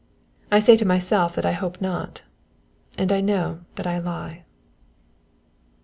I say to myself that I hope not and know that I lie.